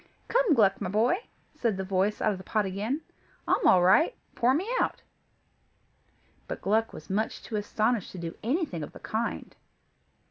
"Come, Gluck, my boy," said the voice out of the pot again, "I'm all right; pour me out." But Gluck was too much astonished to do anything of the kind.